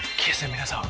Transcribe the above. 皆さん。